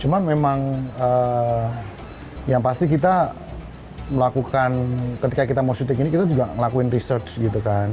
cuman memang yang pasti kita melakukan ketika kita mau syuting ini kita juga ngelakuin research gitu kan